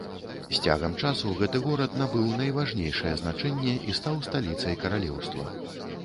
З цягам часу гэты горад набыў найважнейшае значэнне і стаў сталіцай каралеўства.